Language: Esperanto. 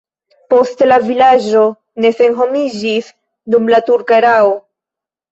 Poste la vilaĝo ne senhomiĝis dum la turka erao.